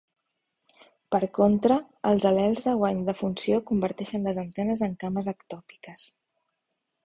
Per contra, els al·lels de guany de funció converteixen les antenes en cames ectòpiques.